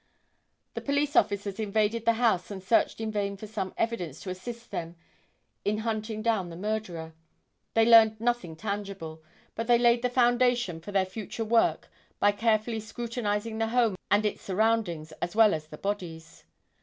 The police officers invaded the house and searched in vain for some evidence to assist them in hunting down the murderer. They learned nothing tangible, but they laid the foundation for their future work by carefully scrutinizing the home and its surroundings as well as the bodies.